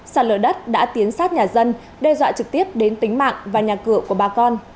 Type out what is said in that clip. sạt lở đất đã tiến sát nhà dân đe dọa trực tiếp đến tính mạng và nhà cửa của bà con